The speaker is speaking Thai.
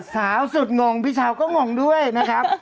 สาวสุดงงพี่เช้าก็งงด้วยนะครับ